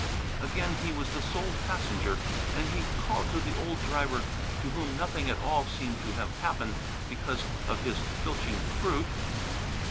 Again he was the sole passenger and he called to the old driver, to whom nothing at all seemed to have happened because of his filching fruit.